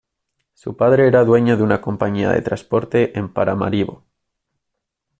Su padre era dueño de una compañía de transporte en Paramaribo.